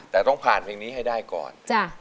แต่ต้องผ่านเพลงนี้ให้ได้ก่อน